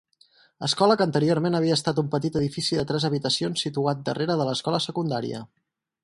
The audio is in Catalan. Escola que anteriorment havia estat un petit edifici de tres habitacions situat darrera de l'escola secundària.